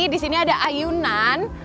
di sini ada ayunan